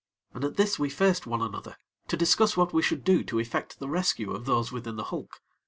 And at this we faced one another to discuss what we should do to effect the rescue of those within the hulk.